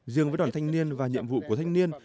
riêng với đoàn thanh niên và nhiệm vụ của thanh niên